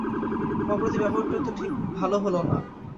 আমার প্রতি ব্যবহারটাও তো ঠিক ভালো হল না।